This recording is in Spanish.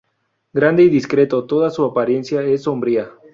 Grande y discreto, toda su apariencia es sombría.